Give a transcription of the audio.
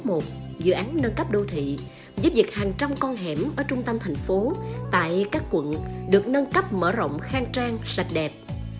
một dự án nâng cấp đô thị giúp việc hàng trăm con hẻm ở trung tâm thành phố tại các quận được nâng cấp mở rộng khang trang sạch đẹp